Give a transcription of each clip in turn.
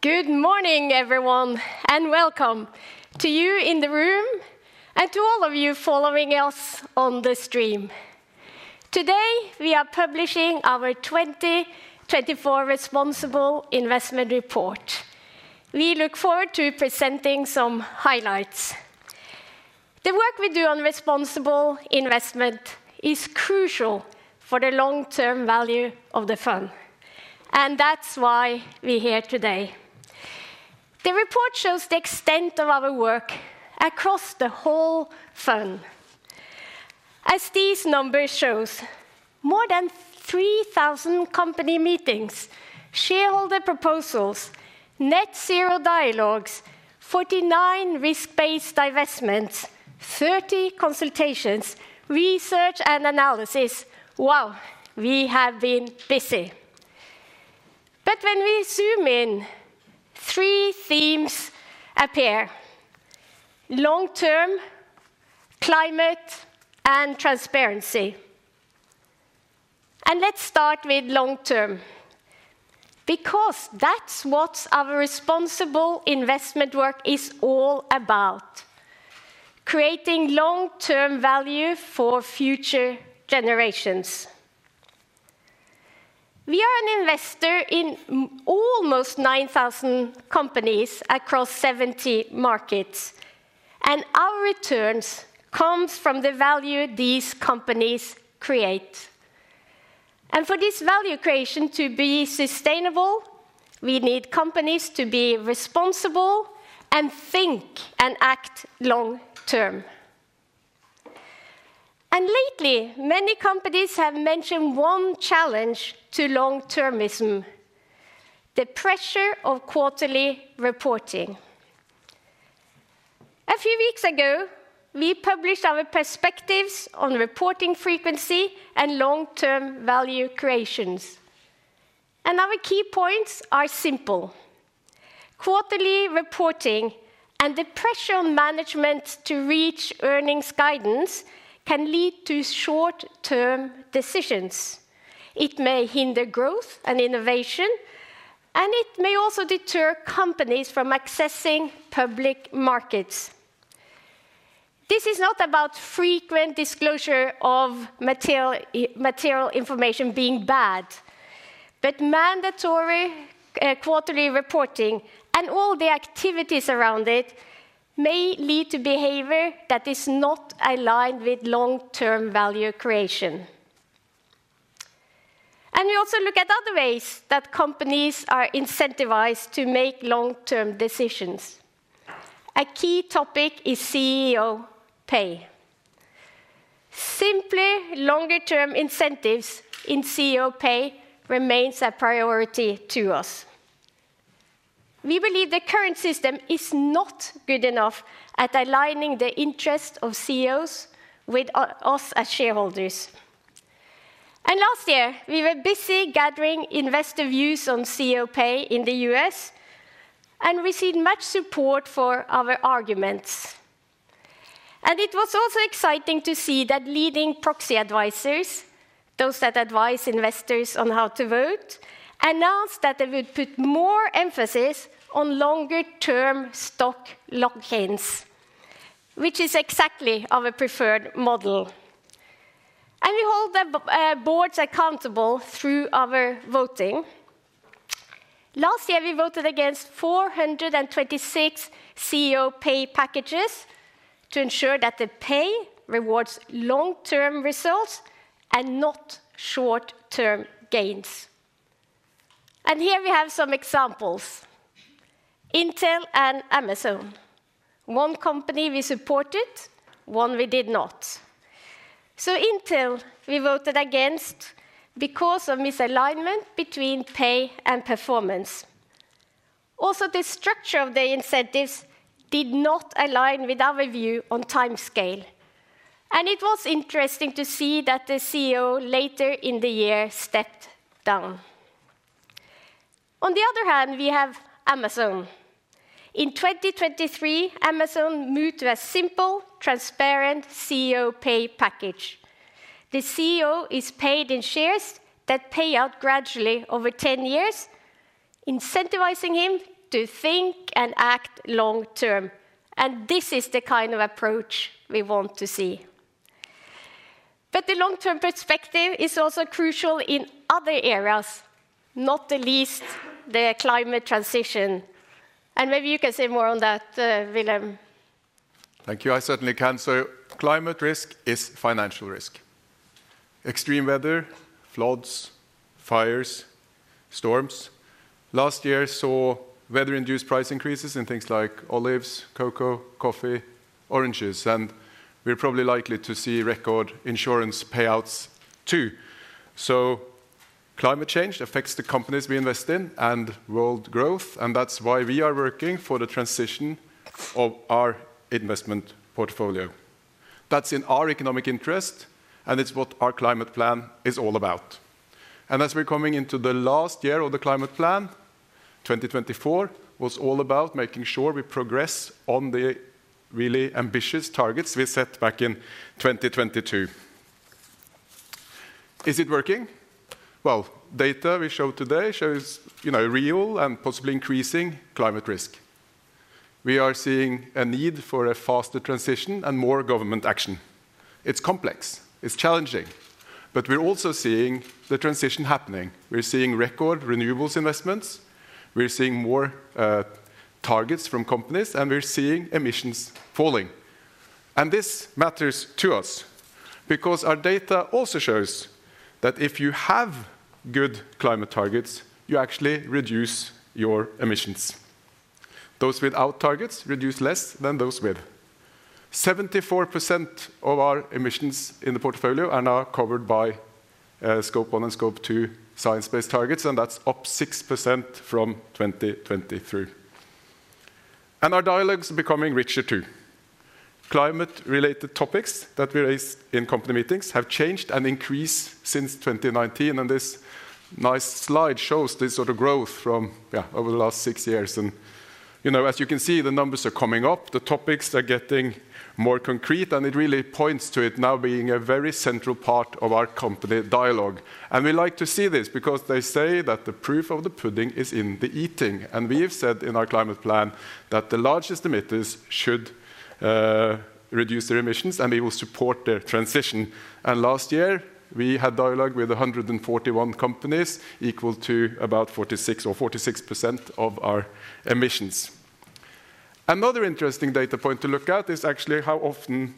Good morning, everyone, and welcome to you in the room and to all of you following us on the stream. Today, we are publishing our 2024 Responsible Investment Report. We look forward to presenting some highlights. The work we do on Responsible Investment is crucial for the long-term value of the fund, and that's why we're here today. The report shows the extent of our work across the whole fund. As these numbers show, more than 3,000 company meetings, shareholder proposals, net zero dialogues, 49 risk-based divestments, 30 consultations, research, and analysis—wow, we have been busy. When we zoom in, three themes appear: long term, climate, and transparency. Let's start with long term, because that's what our Responsible Investment work is all about: creating long-term value for future generations. We are an investor in almost 9,000 companies across 70 markets, and our returns come from the value these companies create. For this value creation to be sustainable, we need companies to be responsible and think and act long term. Lately, many companies have mentioned one challenge to long-termism: the pressure of quarterly reporting. A few weeks ago, we published our perspectives on reporting frequency and long-term value creation. Our key points are simple: quarterly reporting and the pressure on management to reach earnings guidance can lead to short-term decisions. It may hinder growth and innovation, and it may also deter companies from accessing public markets. This is not about frequent disclosure of material information being bad, but mandatory quarterly reporting and all the activities around it may lead to behavior that is not aligned with long-term value creation. We also look at other ways that companies are incentivized to make long-term decisions. A key topic is CEO pay. Simply, longer-term incentives in CEO pay remain a priority to us. We believe the current system is not good enough at aligning the interests of CEOs with us as shareholders. Last year, we were busy gathering investor views on CEO pay in the U.S., and we received much support for our arguments. It was also exciting to see that leading proxy advisors, those that advise investors on how to vote, announced that they would put more emphasis on longer-term stock lock-ins, which is exactly our preferred model. We hold the boards accountable through our voting. Last year, we voted against 426 CEO pay packages to ensure that the pay rewards long-term results and not short-term gains. Here we have some examples: Intel and Amazon, one company we supported, one we did not. Intel, we voted against because of misalignment between pay and performance. Also, the structure of the incentives did not align with our view on time scale. It was interesting to see that the CEO later in the year stepped down. On the other hand, we have Amazon. In 2023, Amazon moved to a simple, transparent CEO pay package. The CEO is paid in shares that pay out gradually over 10 years, incentivizing him to think and act long term. This is the kind of approach we want to see. The long-term perspective is also crucial in other areas, not the least the climate transition. Maybe you can say more on that, Wilhelm. Thank you, I certainly can. Climate risk is financial risk. Extreme weather, floods, fires, storms. Last year saw weather-induced price increases in things like olives, cocoa, coffee, oranges. We are probably likely to see record insurance payouts too. Climate change affects the companies we invest in and world growth. That is why we are working for the transition of our investment portfolio. That is in our economic interest, and it is what our climate plan is all about. As we are coming into the last year of the climate plan, 2024 was all about making sure we progress on the really ambitious targets we set back in 2022. Is it working? Data we show today shows real and possibly increasing climate risk. We are seeing a need for a faster transition and more government action. It is complex, it is challenging, but we are also seeing the transition happening. We're seeing record renewables investments, we're seeing more targets from companies, and we're seeing emissions falling. This matters to us because our data also shows that if you have good climate targets, you actually reduce your emissions. Those without targets reduce less than those with. 74% of our emissions in the portfolio are now covered by Scope 1 and Scope 2 science-based targets, and that's up 6% from 2023. Our dialogues are becoming richer too. Climate-related topics that we raised in company meetings have changed and increased since 2019. This nice slide shows this sort of growth from over the last six years. As you can see, the numbers are coming up, the topics are getting more concrete, and it really points to it now being a very central part of our company dialogue. We like to see this because they say that the proof of the pudding is in the eating. We have said in our climate plan that the largest emitters should reduce their emissions, and we will support their transition. Last year, we had dialogue with 141 companies, equal to about 46% or 46% of our emissions. Another interesting data point to look at is actually how often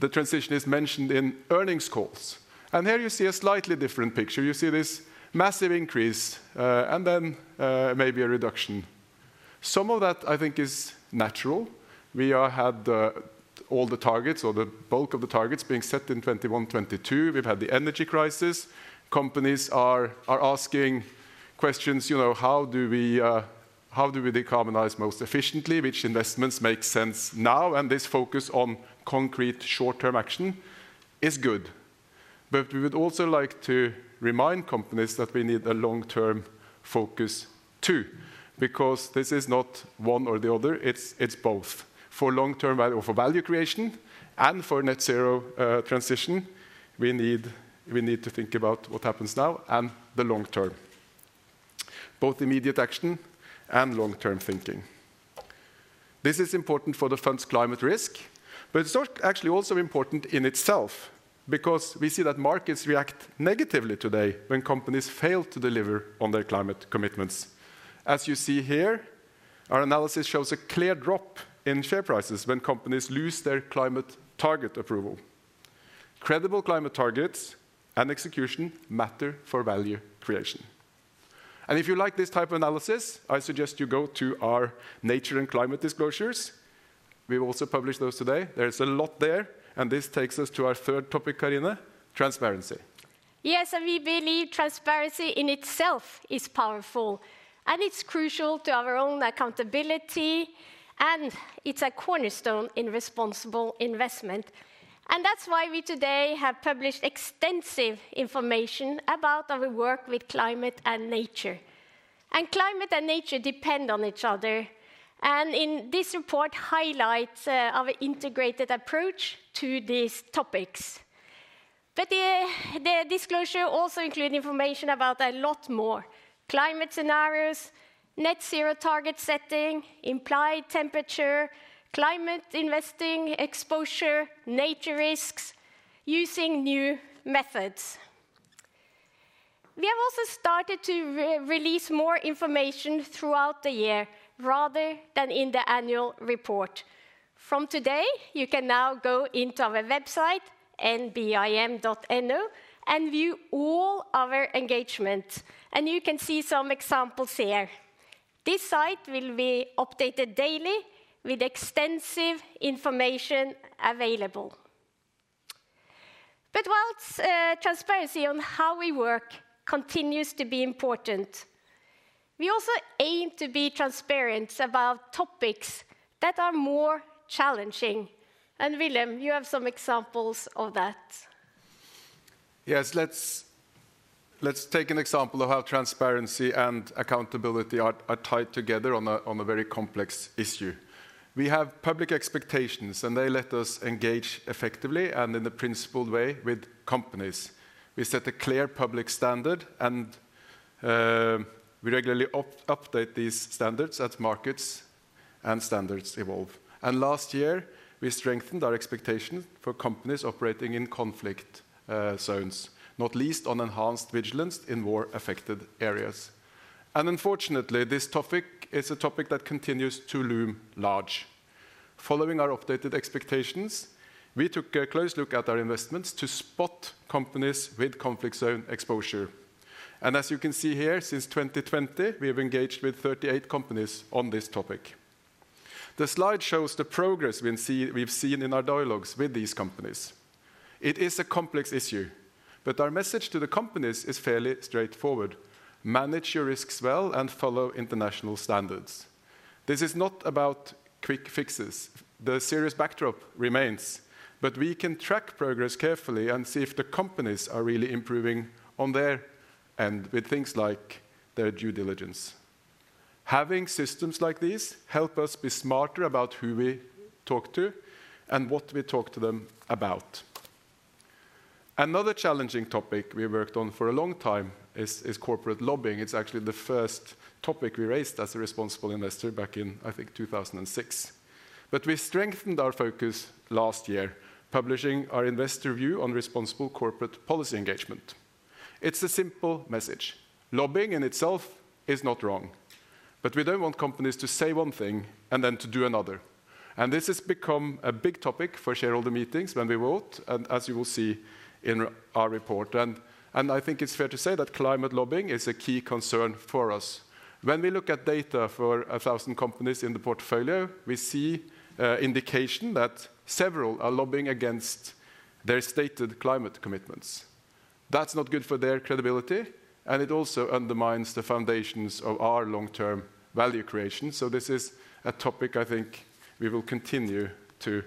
the transition is mentioned in earnings calls. Here you see a slightly different picture. You see this massive increase and then maybe a reduction. Some of that, I think, is natural. We have had all the targets or the bulk of the targets being set in 2021, 2022. We have had the energy crisis. Companies are asking questions, how do we decarbonize most efficiently? Which investments make sense now? This focus on concrete short-term action is good. We would also like to remind companies that we need a long-term focus too, because this is not one or the other, it's both. For long-term value creation and for net zero transition, we need to think about what happens now and the long term, both immediate action and long-term thinking. This is important for the fund's climate risk, but it's actually also important in itself because we see that markets react negatively today when companies fail to deliver on their climate commitments. As you see here, our analysis shows a clear drop in share prices when companies lose their climate target approval. Credible climate targets and execution matter for value creation. If you like this type of analysis, I suggest you go to our nature and climate disclosures. We have also published those today. There is a lot there. This takes us to our third topic, Carine, transparency. Yes, and we believe transparency in itself is powerful, and it's crucial to our own accountability, and it's a cornerstone in responsible investment. That's why we today have published extensive information about our work with climate and nature. Climate and nature depend on each other. This report highlights our integrated approach to these topics. The disclosure also includes information about a lot more: climate scenarios, net zero target setting, implied temperature, climate investing exposure, nature risks, using new methods. We have also started to release more information throughout the year rather than in the annual report. From today, you can now go into our website, nbim.no, and view all our engagements. You can see some examples here. This site will be updated daily with extensive information available. While transparency on how we work continues to be important, we also aim to be transparent about topics that are more challenging. Wilhelm, you have some examples of that. Yes, let's take an example of how transparency and accountability are tied together on a very complex issue. We have public expectations, and they let us engage effectively and in a principled way with companies. We set a clear public standard, and we regularly update these standards as markets and standards evolve. Last year, we strengthened our expectations for companies operating in conflict zones, not least on enhanced vigilance in more affected areas. Unfortunately, this topic is a topic that continues to loom large. Following our updated expectations, we took a close look at our investments to spot companies with conflict zone exposure. As you can see here, since 2020, we have engaged with 38 companies on this topic. The slide shows the progress we've seen in our dialogues with these companies. It is a complex issue, but our message to the companies is fairly straightforward: manage your risks well and follow international standards. This is not about quick fixes. The serious backdrop remains, but we can track progress carefully and see if the companies are really improving on their end with things like their due diligence. Having systems like these helps us be smarter about who we talk to and what we talk to them about. Another challenging topic we worked on for a long time is corporate lobbying. It's actually the first topic we raised as a responsible investor back in, I think, 2006. We strengthened our focus last year, publishing our investor view on responsible corporate policy engagement. It's a simple message. Lobbying in itself is not wrong, but we don't want companies to say one thing and then to do another. This has become a big topic for shareholder meetings when we vote, as you will see in our report. I think it's fair to say that climate lobbying is a key concern for us. When we look at data for 1,000 companies in the portfolio, we see an indication that several are lobbying against their stated climate commitments. That's not good for their credibility, and it also undermines the foundations of our long-term value creation. This is a topic I think we will continue to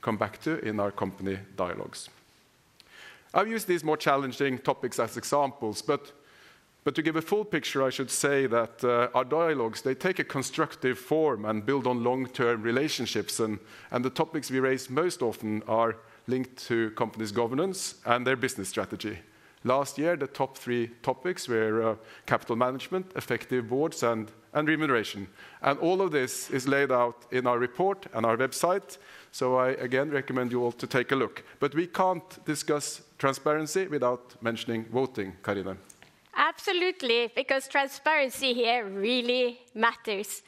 come back to in our company dialogues. I've used these more challenging topics as examples, but to give a full picture, I should say that our dialogues take a constructive form and build on long-term relationships. The topics we raise most often are linked to companies' governance and their business strategy. Last year, the top three topics were capital management, effective boards, and remuneration. All of this is laid out in our report and our website. I again recommend you all to take a look. We can't discuss transparency without mentioning voting, Carine. Absolutely, because transparency here really matters.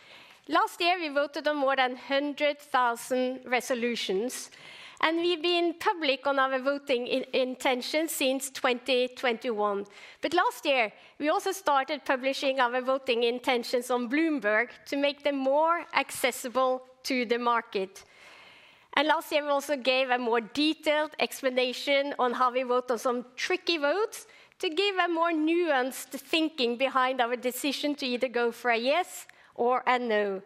Last year, we voted on more than 100,000 resolutions, and we've been public on our voting intentions since 2021. Last year, we also started publishing our voting intentions on Bloomberg to make them more accessible to the market. Last year, we also gave a more detailed explanation on how we voted on some tricky votes to give a more nuanced thinking behind our decision to either go for a yes or a no.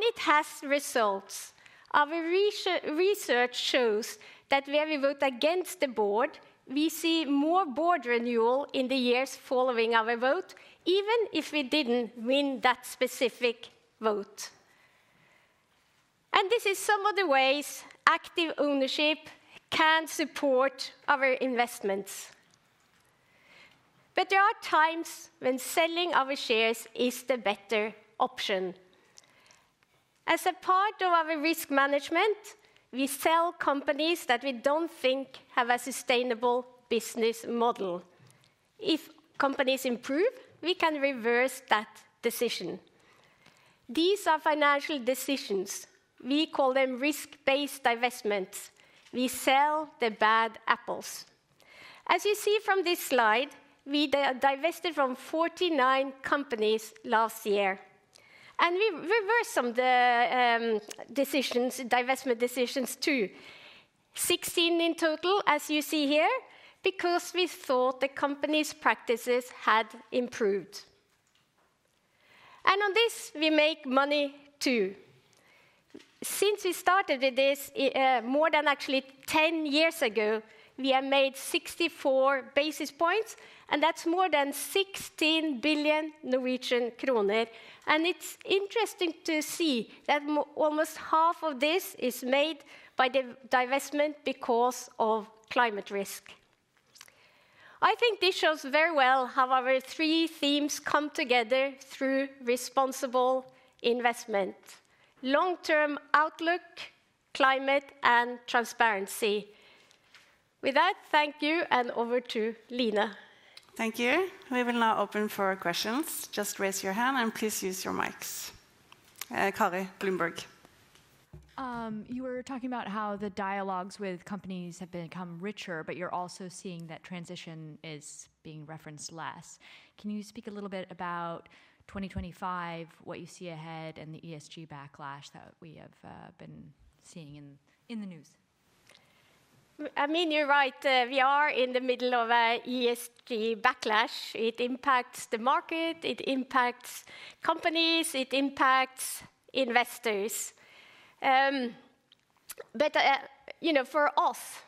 It has results. Our research shows that where we vote against the board, we see more board renewal in the years following our vote, even if we didn't win that specific vote. This is some of the ways active ownership can support our investments. There are times when selling our shares is the better option. As a part of our risk management, we sell companies that we do not think have a sustainable business model. If companies improve, we can reverse that decision. These are financial decisions. We call them risk-based divestments. We sell the bad apples. As you see from this slide, we divested from 49 companies last year. We reversed some of the investment decisions too, 16 in total, as you see here, because we thought the company's practices had improved. On this, we make money too. Since we started with this more than actually 10 years ago, we have made 64 basis points, and that is more than 16 billion Norwegian kroner. It is interesting to see that almost half of this is made by the divestment because of climate risk. I think this shows very well how our three themes come together through responsible investment: long-term outlook, climate, and transparency. With that, thank you, and over to Line. Thank you. We will now open for questions. Just raise your hand and please use your mics. Kari, Bloomberg. You were talking about how the dialogues with companies have become richer, but you're also seeing that transition is being referenced less. Can you speak a little bit about 2025, what you see ahead, and the ESG backlash that we have been seeing in the news? I mean, you're right. We are in the middle of an ESG backlash. It impacts the market, it impacts companies, it impacts investors. For us,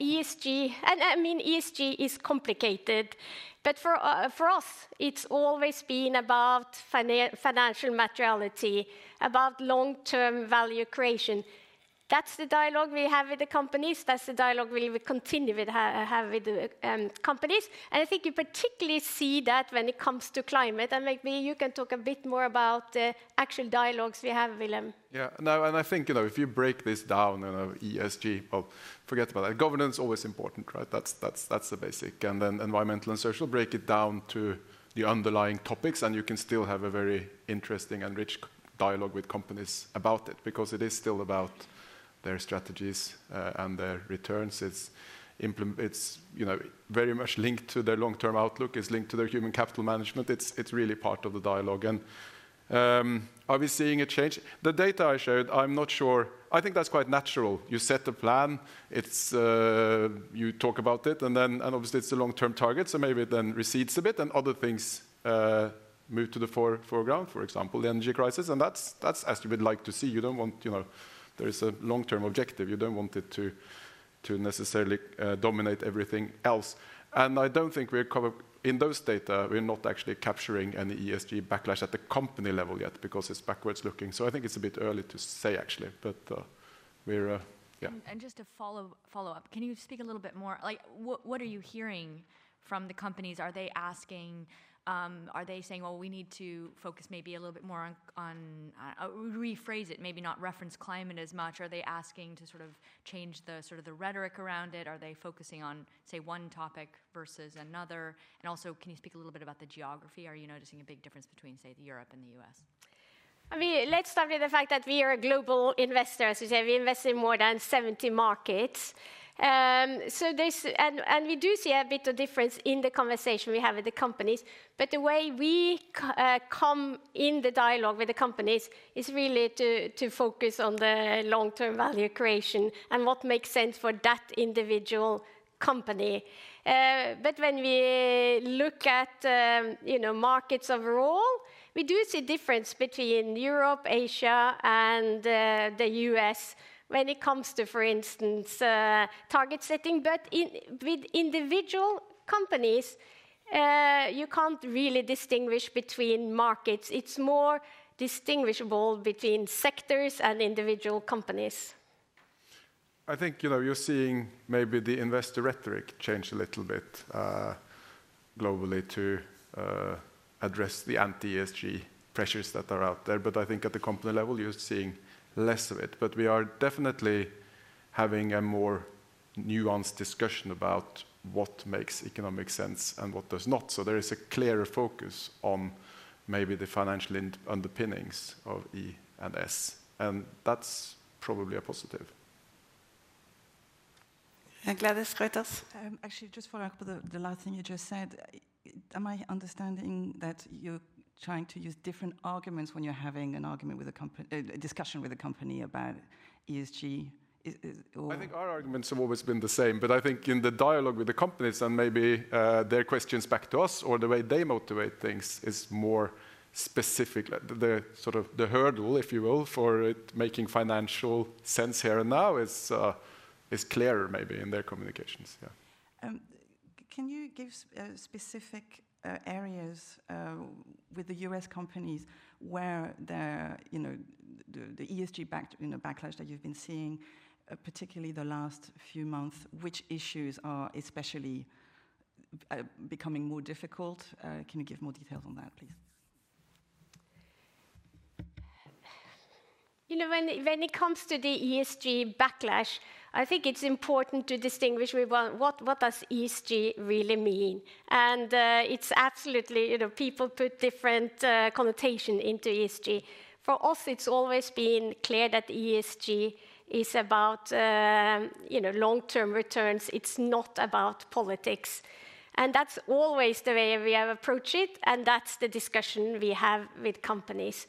ESG, and I mean, ESG is complicated, but for us, it's always been about financial materiality, about long-term value creation. That's the dialogue we have with the companies. That's the dialogue we will continue to have with the companies. I think you particularly see that when it comes to climate. Maybe you can talk a bit more about the actual dialogues we have, Wilhelm. Yeah, I think if you break this down, ESG, well, forget about it. Governance is always important, right? That's the basic. Environmental and social, break it down to the underlying topics, and you can still have a very interesting and rich dialogue with companies about it because it is still about their strategies and their returns. It's very much linked to their long-term outlook, it's linked to their human capital management. It's really part of the dialogue. Are we seeing a change? The data I showed, I'm not sure. I think that's quite natural. You set a plan, you talk about it, and obviously, it's the long-term target. Maybe then it recedes a bit and other things move to the foreground, for example, the energy crisis. That's as you would like to see. You don't want there is a long-term objective. You do not want it to necessarily dominate everything else. I do not think we are covered in those data. We are not actually capturing any ESG backlash at the company level yet because it is backwards looking. I think it is a bit early to say, actually, but we are, yeah. Just a follow-up. Can you speak a little bit more? What are you hearing from the companies? Are they asking, are they saying, well, we need to focus maybe a little bit more on, rephrase it, maybe not reference climate as much? Are they asking to sort of change the sort of the rhetoric around it? Are they focusing on, say, one topic versus another? Also, can you speak a little bit about the geography? Are you noticing a big difference between, say, the Europe and the U.S.? I mean, let's start with the fact that we are a global investor. As you say, we invest in more than 70 markets. We do see a bit of difference in the conversation we have with the companies. The way we come in the dialogue with the companies is really to focus on the long-term value creation and what makes sense for that individual company. When we look at markets overall, we do see a difference between Europe, Asia, and the U.S. when it comes to, for instance, target setting. With individual companies, you can't really distinguish between markets. It's more distinguishable between sectors and individual companies. I think you're seeing maybe the investor rhetoric change a little bit globally to address the anti-ESG pressures that are out there. I think at the company level, you're seeing less of it. We are definitely having a more nuanced discussion about what makes economic sense and what does not. There is a clearer focus on maybe the financial underpinnings of E&S. That's probably a positive. Gwladys, Reuters. Actually, just following up on the last thing you just said, am I understanding that you're trying to use different arguments when you're having a discussion with a company about ESG? I think our arguments have always been the same. I think in the dialogue with the companies and maybe their questions back to us or the way they motivate things is more specific. The hurdle, if you will, for making financial sense here and now is clearer maybe in their communications. Yeah. Can you give specific areas with the U.S. companies where the ESG backlash that you've been seeing, particularly the last few months, which issues are especially becoming more difficult? Can you give more details on that, please? When it comes to the ESG backlash, I think it's important to distinguish what does ESG really mean. It's absolutely people put different connotations into ESG. For us, it's always been clear that ESG is about long-term returns. It's not about politics. That's always the way we have approached it. That's the discussion we have with companies.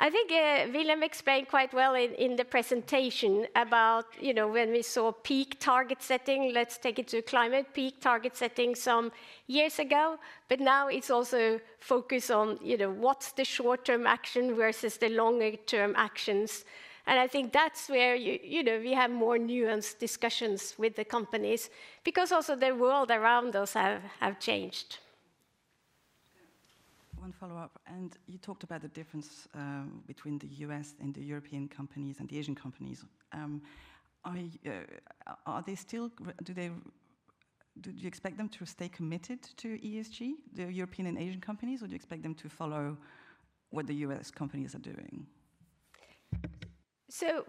I think Wilhelm explained quite well in the presentation about when we saw peak target setting, let's take it to climate peak target setting some years ago. Now it's also focused on what's the short-term action versus the longer-term actions. I think that's where we have more nuanced discussions with the companies because also the world around us has changed. One follow-up. You talked about the difference between the U.S. and the European companies and the Asian companies. Do you expect them to stay committed to ESG, the European and Asian companies, or do you expect them to follow what the U.S. companies are doing?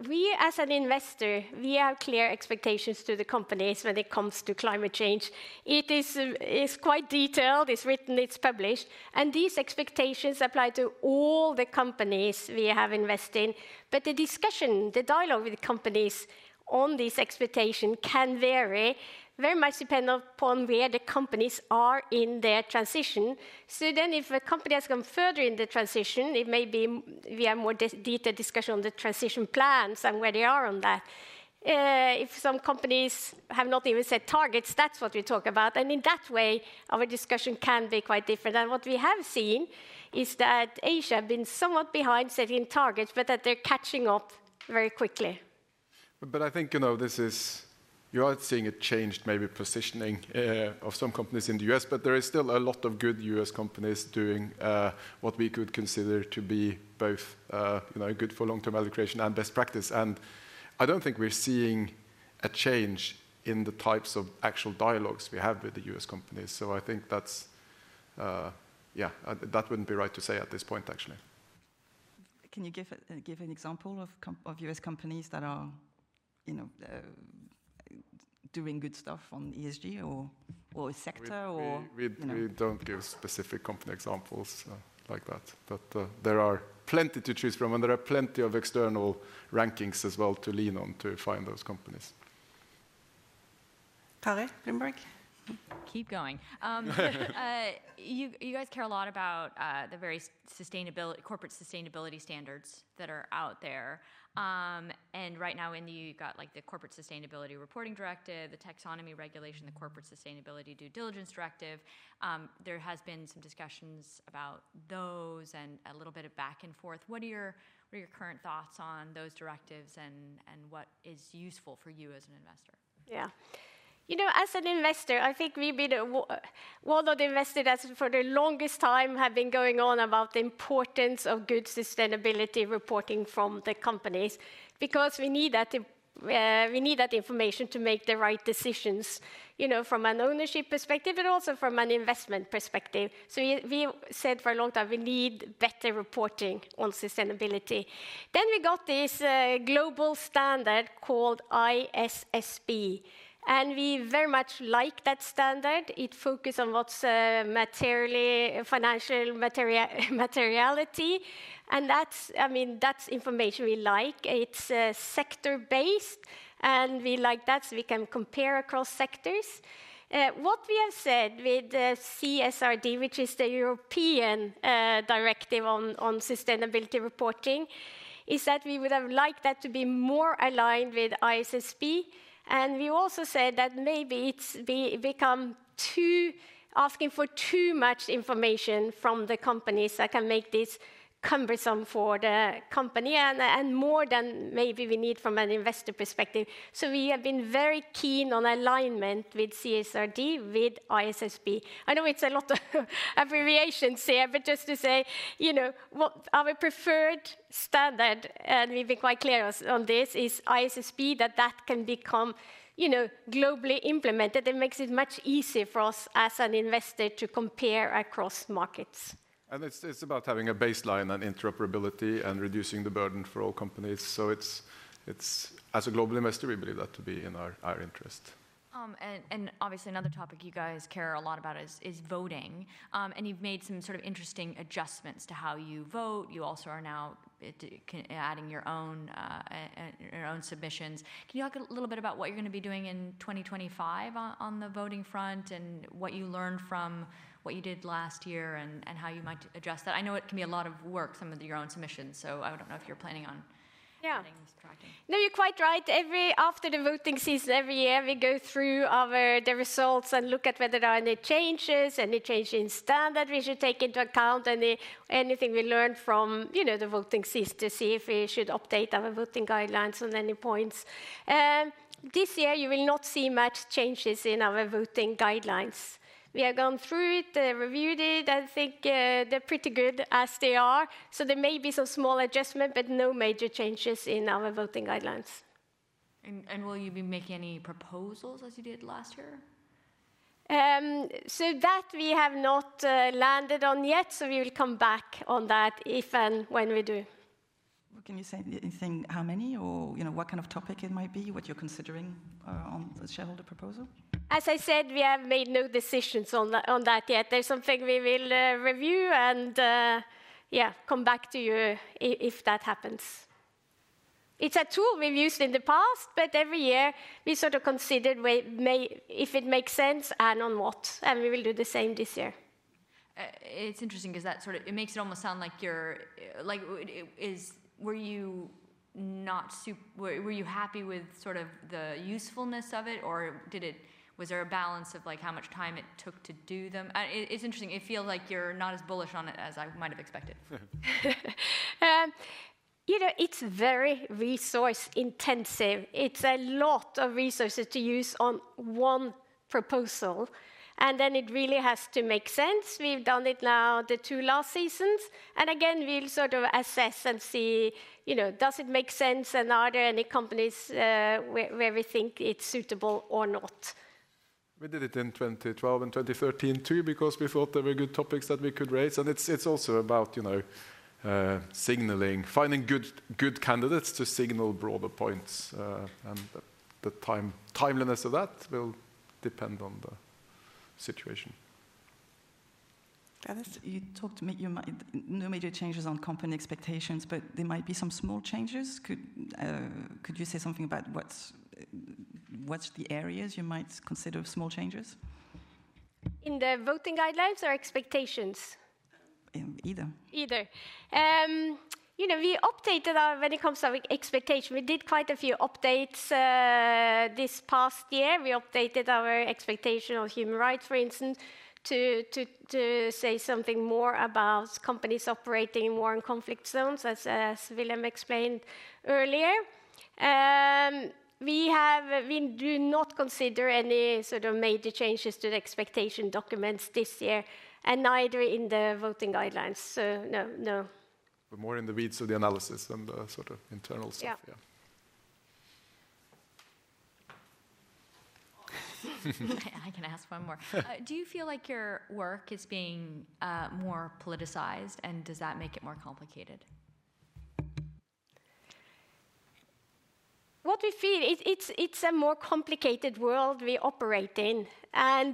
We, as an investor, we have clear expectations to the companies when it comes to climate change. It is quite detailed. It is written. It is published. These expectations apply to all the companies we have invested in. The discussion, the dialogue with companies on these expectations can vary very much depending upon where the companies are in their transition. If a company has gone further in the transition, it may be we have more detailed discussion on the transition plans and where they are on that. If some companies have not even set targets, that is what we talk about. In that way, our discussion can be quite different. What we have seen is that Asia has been somewhat behind setting targets, but they are catching up very quickly. I think this is, you are seeing a changed maybe positioning of some companies in the U.S., but there is still a lot of good U.S. companies doing what we could consider to be both good for long-term allocation and best practice. I don't think we're seeing a change in the types of actual dialogues we have with the U.S. companies. I think that's, yeah, that wouldn't be right to say at this point, actually. Can you give an example of U.S. companies that are doing good stuff on ESG or sector or? We do not give specific company examples like that. There are plenty to choose from, and there are plenty of external rankings as well to lean on to find those companies. Kari, Bloomberg. Keep going. You guys care a lot about the very corporate sustainability standards that are out there. Right now, you've got the Corporate Sustainability Reporting Directive, the Taxonomy Regulation, the Corporate Sustainability Due Diligence Directive. There has been some discussions about those and a little bit of back and forth. What are your current thoughts on those directives and what is useful for you as an investor? Yeah. You know, as an investor, I think we've been one of the investors that for the longest time have been going on about the importance of good sustainability reporting from the companies because we need that information to make the right decisions from an ownership perspective, but also from an investment perspective. We said for a long time we need better reporting on sustainability. We got this global standard called ISSB. We very much like that standard. It focuses on what's material, financial materiality. That's information we like. It's sector-based. We like that so we can compare across sectors. What we have said with CSRD, which is the European Directive on Sustainability Reporting, is that we would have liked that to be more aligned with ISSB. We also said that maybe it's become asking for too much information from the companies that can make this cumbersome for the company and more than maybe we need from an investor perspective. We have been very keen on alignment with CSRD with ISSB. I know it's a lot of abbreviations here, but just to say, you know, our preferred standard, and we've been quite clear on this, is ISSB, that that can become globally implemented. It makes it much easier for us as an investor to compare across markets. It is about having a baseline and interoperability and reducing the burden for all companies. As a global investor, we believe that to be in our interest. Obviously, another topic you guys care a lot about is voting. You have made some sort of interesting adjustments to how you vote. You also are now adding your own submissions. Can you talk a little bit about what you are going to be doing in 2025 on the voting front and what you learned from what you did last year and how you might adjust that? I know it can be a lot of work, some of your own submissions, so I do not know if you are planning on adding this correction. No, you're quite right. After the voting season, every year we go through the results and look at whether there are any changes, any change in standard we should take into account, anything we learned from the voting season to see if we should update our voting guidelines on any points. This year, you will not see much changes in our voting guidelines. We have gone through it, reviewed it. I think they're pretty good as they are. There may be some small adjustments, but no major changes in our voting guidelines. Will you be making any proposals as you did last year? We have not landed on that yet. We will come back on that if and when we do. Can you say anything, how many or what kind of topic it might be, what you're considering on the shareholder proposal? As I said, we have made no decisions on that yet. That is something we will review and, yeah, come back to you if that happens. It is a tool we have used in the past, but every year we sort of consider if it makes sense and on what. We will do the same this year. It's interesting because that sort of makes it almost sound like you were, were you happy with sort of the usefulness of it, or was there a balance of how much time it took to do them? It's interesting. It feels like you're not as bullish on it as I might have expected. It's very resource-intensive. It's a lot of resources to use on one proposal. It really has to make sense. We've done it now the two last seasons. Again, we'll sort of assess and see, does it make sense and are there any companies where we think it's suitable or not? We did it in 2012 and 2013 too because we thought there were good topics that we could raise. It is also about signaling, finding good candidates to signal broader points. The timeliness of that will depend on the situation. Gwladys, you talked no major changes on company expectations, but there might be some small changes. Could you say something about what’s the areas you might consider small changes? In the voting guidelines or expectations? Either. We updated when it comes to expectations. We did quite a few updates this past year. We updated our expectation on human rights, for instance, to say something more about companies operating more in conflict zones, as Wilhelm explained earlier. We do not consider any sort of major changes to the expectation documents this year, and neither in the voting guidelines. No, no. We're more in the weeds of the analysis and the sort of internal stuff. Yeah. I can ask one more. Do you feel like your work is being more politicized, and does that make it more complicated? What we feel, it's a more complicated world we operate in.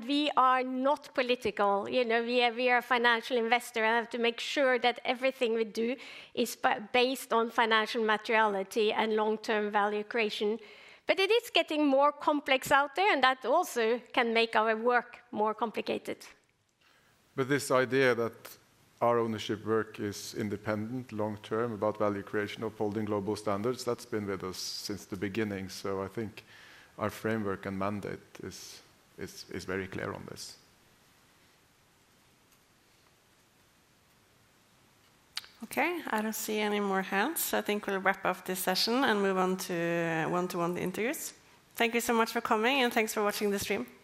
We are not political. We are a financial investor and have to make sure that everything we do is based on financial materiality and long-term value creation. It is getting more complex out there, and that also can make our work more complicated. This idea that our ownership work is independent, long-term, about value creation, upholding global standards, that's been with us since the beginning. I think our framework and mandate is very clear on this. Okay. I don't see any more hands. I think we'll wrap up this session and move on to one-to-one interviews. Thank you so much for coming, and thanks for watching this stream.